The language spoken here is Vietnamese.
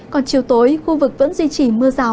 còn chiều tối khu vực vẫn duy trì mưa rào